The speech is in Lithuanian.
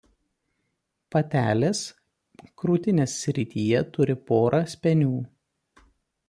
Patelės krūtinės srityje turi porą spenių.